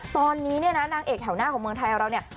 ตอนนี้เนี่ยนะนางเอกแถวหน้าของเมืองไทยของเราเนี่ย